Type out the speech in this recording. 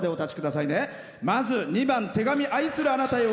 ２番「手紙愛するあなたへ」